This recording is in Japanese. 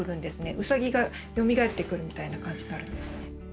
ウサギがよみがえってくるみたいな感じになるんですね。